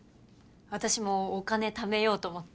あたしもお金ためようと思って。